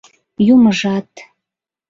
Юмыжат